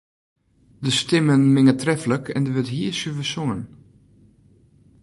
De stimmen minge treflik en der wurdt hiersuver songen.